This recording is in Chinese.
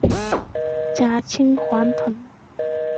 假青黄藤